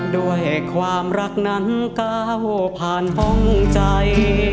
ด้วยความรักนั้นก้าวผ่านห้องใจ